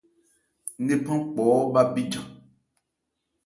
Ńnephan kpɔɔ́ bha bíjan.